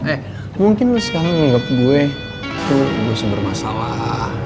eh mungkin lo sekarang nganggep gue gue itu sumber masalah